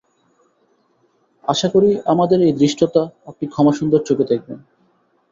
আশা করি আমাদের এই ধৃষ্টতা আপনি ক্ষমাসুন্দর চােখে দেখবেন।